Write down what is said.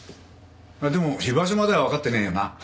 でも居場所まではわかってねえよな？